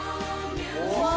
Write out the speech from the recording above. うわ！